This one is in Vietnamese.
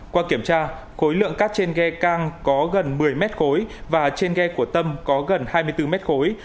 qua kiểm tra khối lượng cát trên ghe cang có gần một mươi mét khối và trên ghe của tâm có gần hai mươi bốn mét khối